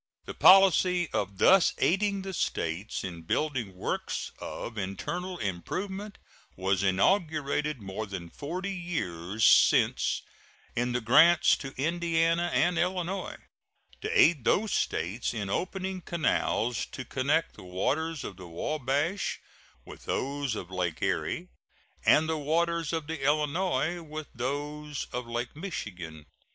The policy of thus aiding the States in building works of internal improvement was inaugurated more than forty years since in the grants to Indiana and Illinois, to aid those States in opening canals to connect the waters of the Wabash with those of Lake Erie and the waters of the Illinois with those of Lake Michigan.